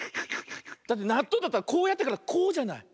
だってなっとうだったらこうやってからこうじゃない？